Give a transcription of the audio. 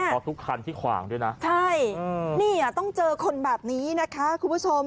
เพราะทุกคันที่ขวางด้วยนะใช่นี่ต้องเจอคนแบบนี้นะคะคุณผู้ชม